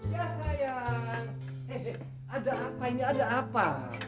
ya saya ada apa ini ada apa